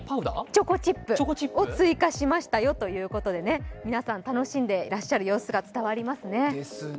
チョコチップを追加しましたよということで皆さん楽しんでらっしゃる様子が伝わりますね。